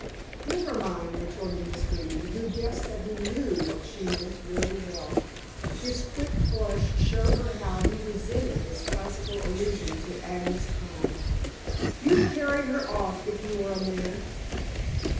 "Never mind," retorted Miss Greeby, who guessed that he knew what she meant very well. His quick flush showed her how he resented this classical allusion to Agnes Pine. "You'd carry her off if you were a man."